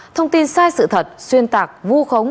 thông tin sai sự thật xuyên tạc vu khống